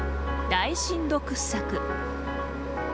大深度掘削。